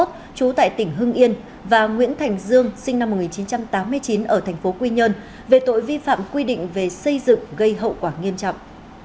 trú tại tỉnh hưng yên và nguyễn thành dương sinh năm một nghìn chín trăm tám mươi chín ở thành phố quy nhơn về tội vi phạm quy định về xây dựng gây hậu quả nghiêm trọng